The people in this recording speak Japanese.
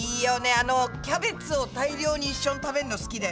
あのキャベツを大量に一緒に食べるの好きだよね。